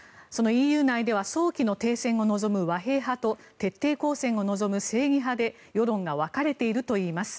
そのＥＵ内では早期の停戦を望む和平派と徹底抗戦を望む正義派で世論が分かれているといいます。